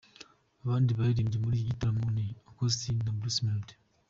Abandi baririmbye muri iki gitaramo ni; Uncle Austin na Bruce Melody.